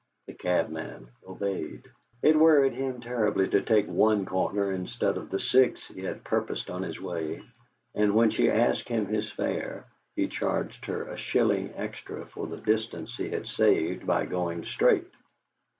The cabman obeyed. It worried him terribly to take one corner instead of the six he had purposed on his way; and when she asked him his fare, he charged her a shilling extra for the distance he had saved by going straight.